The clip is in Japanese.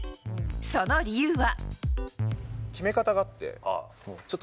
その理由は。